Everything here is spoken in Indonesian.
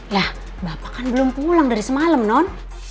ya bapak kan belum pulang dari semalam non